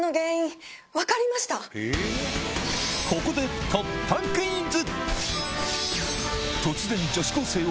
ここで突破クイズ！